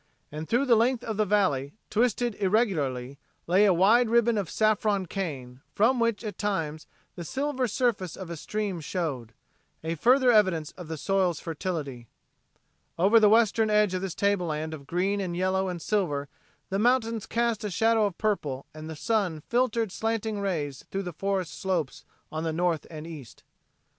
And through the length of the valley, twisted irregularly, lay a wide ribbon of saffron cane, from which at times the silver surface of a stream showed a further evidence of the soil's fertility. Over the western edge of this tableland of green and yellow and silver the mountains cast a shadow of purple and the sun filtered slanting rays through the forest slopes on the north and east.